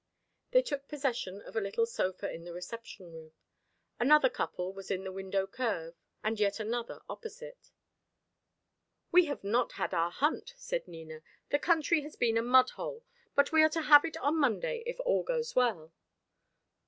They took possession of a little sofa in the reception room. Another couple was in the window curve, and yet another opposite. "We have not had our hunt," said Nina; "the country has been a mud hole. But we are to have it on Monday, if all goes well."